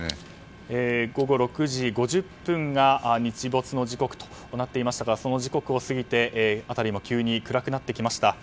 午後６時５０分が日没の時刻となっていましたからその時刻を過ぎて辺りも急に暗くなってきました。